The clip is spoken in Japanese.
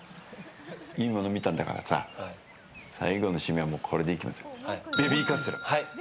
いいもの見たんだからさ最後の締めはこれでいきますか。